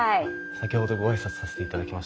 先ほどご挨拶させていただきました。